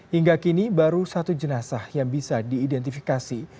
hingga kini baru satu jenazah yang bisa diidentifikasi